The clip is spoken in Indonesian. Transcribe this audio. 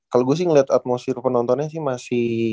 kalau gue sih ngeliat atmosfer penontonnya sih masih